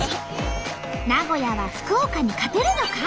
名古屋は福岡に勝てるのか？